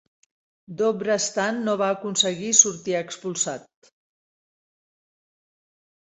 Dobre Stan no va aconseguir sortir expulsat.